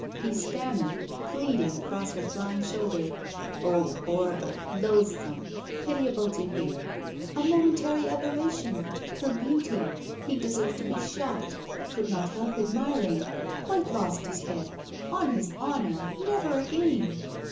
He stammered, pleaded across her flying shoulder Oh! horrible, loathsome, pitiable to hear!... 'A momentary aberration... her beauty... he deserved to be shot!... could not help admiring... quite lost his head.. on his honour! never again!'